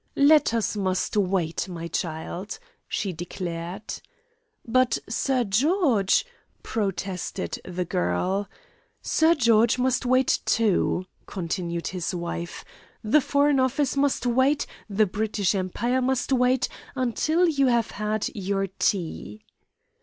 "Letters must wait, my child," she declared. "But Sir George " protested the girl. "Sir George must wait, too," continued his wife; "the Foreign Office must wait, the British Empire must wait until you have had your tea."